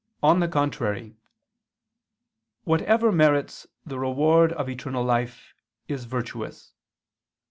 On the contrary, Whatever merits the reward of eternal life is virtuous.